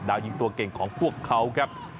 ยิงตัวเก่งของพวกเขาครับ